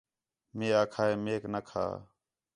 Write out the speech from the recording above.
مئے آکھا ہِے میک نا کھا